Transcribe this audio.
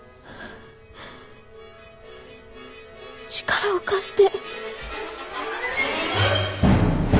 力を貸して！